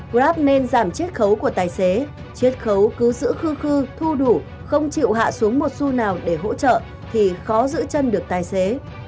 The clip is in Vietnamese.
grab nên giảm triết khấu của tài xế triết khấu cứ giữ khư khư thu đủ không chịu hạ xuống một xu nào để hỗ trợ thì khó giữ chân được tài xế